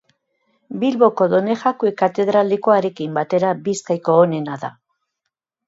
Bilboko Donejakue katedralekoarekin batera, Bizkaiko onena da.